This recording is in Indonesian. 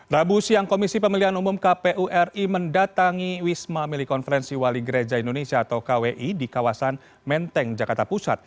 rabu siang komisi pemilihan umum kpu ri mendatangi wisma milik konferensi wali gereja indonesia atau kwi di kawasan menteng jakarta pusat